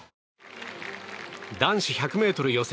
男子１００ｍ予選。